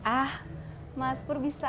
ah mas pur bisa